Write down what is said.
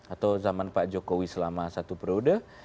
atau zaman pak jokowi selama satu periode